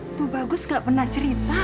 itu bagus gak pernah cerita